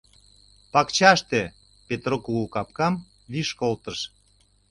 — Пакчаште, — Петроп кугу капкам виш колтыш.